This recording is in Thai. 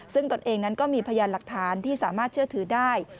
ซึ่งตนเองนั้นก็มีพยานหลักฐานที่สามารถเชื่อถือได้